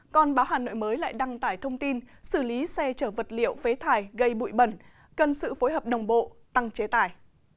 còn báo hà nội mới lại đăng tải thông tin xử lý xe chở vật liệu phế thải gây bụi bẩn cần sự phối hợp đồng bộ tăng chế tải